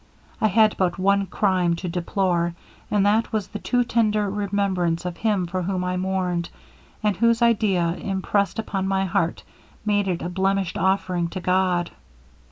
I had but one crime to deplore, and that was the too tender remembrance of him for whom I mourned, and whose idea, impressed upon my heart, made it a blemished offering to God.